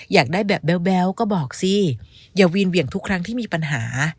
อยากได้แบบแบ๊วก็บอกสิอย่าวีนเหวี่ยงทุกครั้งที่มีปัญหา